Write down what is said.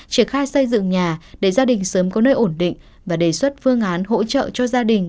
triển khai xây dựng nhà để gia đình sớm có nơi ổn định và đề xuất phương án hỗ trợ cho gia đình